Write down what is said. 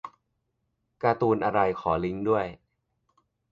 การ์ตูนอะไร ขอลิงก์ด้วย